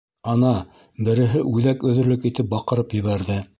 Ана, береһе үҙәк өҙөрлөк итеп баҡырып ебәрҙе.